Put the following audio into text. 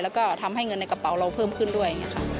แล้วก็ทำให้เงินในกระเป๋าเราเพิ่มขึ้นด้วย